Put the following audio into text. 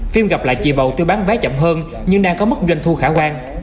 phim gặp lại chị bầu tuy bán vé chậm hơn nhưng đang có mức doanh thu khả quan